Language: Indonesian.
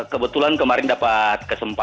kebetulan kemarin dapat kesempatan